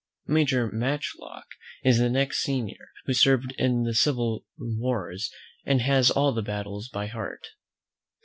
Major Matchlock is the next senior, who served in the last civil wars, and has all the battles by heart.